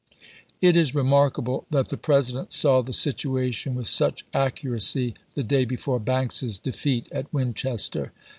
It is remarkable that the President saw the situa May25,i862. tlou wlth such accuracy the day before Banks's defeat at Winchester.